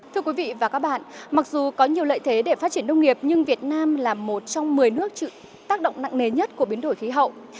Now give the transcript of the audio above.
thưa quý vị và các bạn mặc dù có nhiều lợi thế để phát triển nông nghiệp nhưng việt nam là một trong một mươi nước chịu tác động nặng nề nhất của biến đổi khí hậu